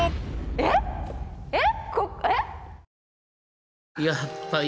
えっえっ？